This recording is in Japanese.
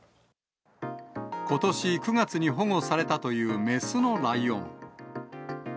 ことし９月に保護されたという雌のライオン。